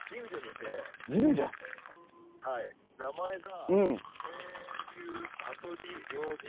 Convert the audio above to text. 名前が。